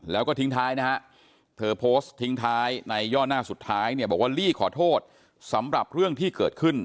แล้วก็ทิ้งท้ายนะฮะเธอโพสต์ทิ้งท้ายในย่อหน้าสุดท้ายเนี่ยบอกว่าลี่ขอโทษสำหรับเรื่องที่เกิดขึ้น